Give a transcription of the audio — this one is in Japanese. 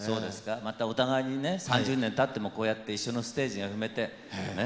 またお互いにね３０年たってもこうやって一緒のステージが踏めてねえ。